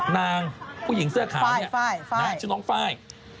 นางผู้หญิงเสื้อขาวเนี่ยชื่อน้องไฟล์